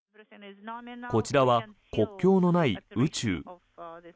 こちらは国境のない宇宙。